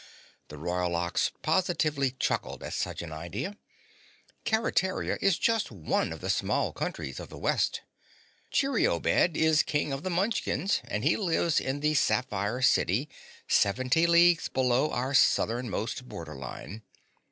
The Royal Ox positively chuckled at such an idea. "Keretaria is just one of the small countries of the West. Cheeriobed is King of the Munchkins and he lives in the Sapphire City seventy leagues below our southernmost borderline.